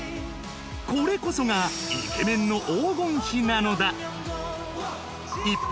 これこそがイケメンの黄金比なのだ一方